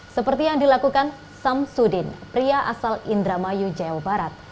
seperti yang dilakukan samsudin pria asal indramayu jawa barat